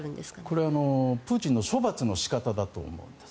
これはプーチンの処罰の仕方だと思います。